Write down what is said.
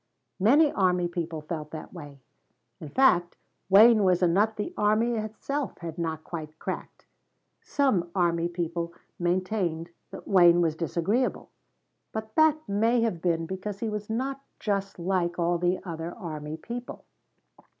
Many army people felt that way. In fact, Wayne was a nut the army itself had not quite cracked. Some army people maintained that Wayne was disagreeable. But that may have been because he was not just like all other army people.